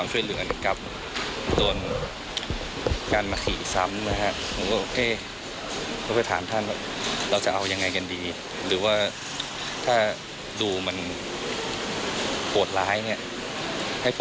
หยุดต้นต่อไป